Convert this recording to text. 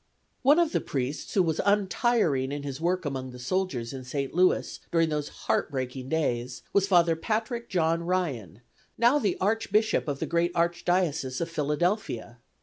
One of the priests who was untiring in his work among the soldiers in St. Louis during those heart breaking days was Father Patrick John Ryan, now the Archbishop of the great Archdiocese of Philadelphia.